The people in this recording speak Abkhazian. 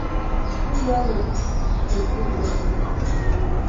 Сгәы иалоуп, сшәындыҟәра блит.